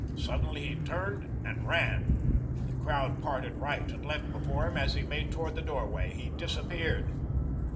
Suddenly he turned and ran. The crowd parted right and left before him as he made toward the doorway. He disappeared.